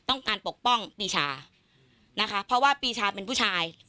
ปกป้องปีชานะคะเพราะว่าปีชาเป็นผู้ชาย